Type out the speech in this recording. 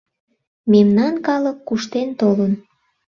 Мемнан калык куштен толын: